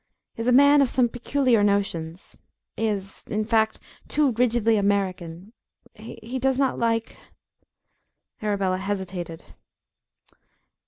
"Is a man of some peculiar notions. Is, in fact, too rigidly American. He does not like" Arabella hesitated.